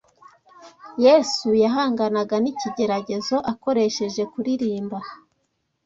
Yesu yahanganaga n’ikigeragezo akoresheje kuririmba